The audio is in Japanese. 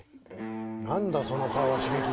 何だその顔は茂樹。